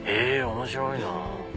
面白いな。